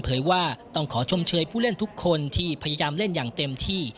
ว่าต้องขอชมเชยผู้เล่นทุกคนที่พยายามเล่นอย่างเต็มที่